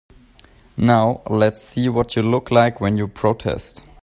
Now let's see what you look like when you protest.